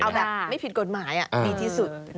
เอาแบบไม่ผิดกฎหมายดีที่สุด